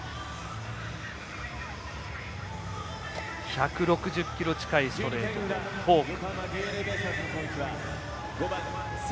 １６０キロ近いストレートフォーク。